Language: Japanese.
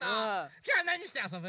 きょうはなにしてあそぶ？